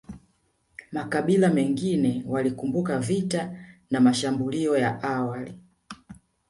Makabila mengine walikumbuka vita na mashambulio ya awali